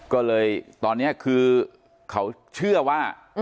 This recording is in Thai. ก็เลยตอนนี้คือเขาเชื่อว่า